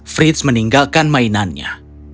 fritz meninggalkan mainannya